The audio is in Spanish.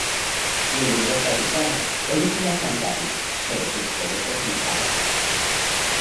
Y un libro está editado, "Películas Fantasmas", sobre sus proyectos inacabados.